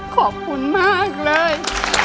ขอบคุณมากเลย